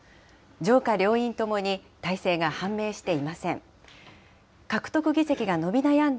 上下両院ともに大勢が判明していません。